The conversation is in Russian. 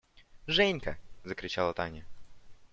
– Женька! – закричала Таня.